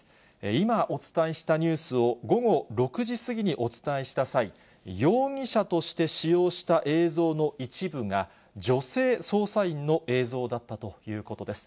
今、お伝えしたニュースを午後６時過ぎにお伝えした際、容疑者として使用した映像の一部が、女性捜査員の映像だったということです。